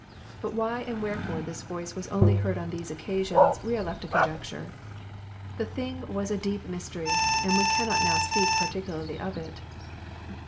But why and wherefore this Voice was only heard on these occasions we are left to conjecture. The thing was a deep mystery, and we cannot now speak particularly of it.